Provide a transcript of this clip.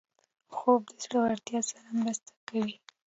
خوب د زړورتیا سره مرسته کوي